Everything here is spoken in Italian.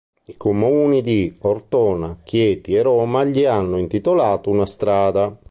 I comuni di Ortona, Chieti e Roma gli hanno intitolato una strada.